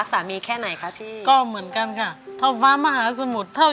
กับที่กำลังจะทำอยู่นะคะ